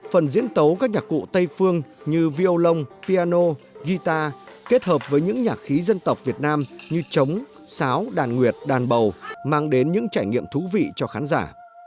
phần diễn tấu các nhạc cụ tây phương như violon piano guitar kết hợp với những nhạc khí dân tộc việt nam như trống sáo đàn nguyệt đàn bầu mang đến những trải nghiệm thú vị cho khán giả